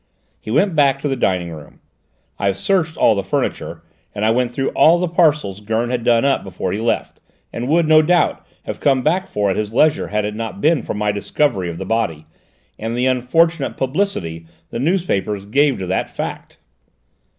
He went back into the dining room. "I've searched all the furniture: and I went through all the parcels Gurn had done up before he left, and would, no doubt, have come back for at his leisure, had it not been for my discovery of the body, and the unfortunate publicity the newspapers gave to that fact."